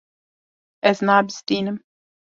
Ez nabizdînim.